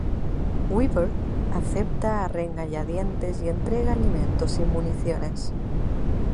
Weaver, acepta a regañadientes y entrega alimentos y municiones.